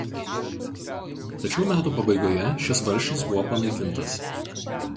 Tačiau metų pabaigoje šis valsčius buvo panaikintas.